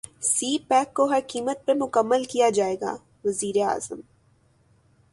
سی pack کو ہر قیمت پر مکمل کیا جائے گا وزیراعظم